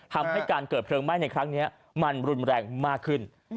ทำให้การเกิดเพลิงไหม้ในครั้งนี้มันรุนแรงมากขึ้น